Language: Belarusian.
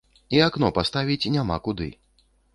І акно паставіць няма куды.